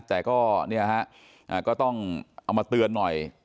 แต่ก็เนี่ยฮะก็ต้องเอามาเตือนหน่อย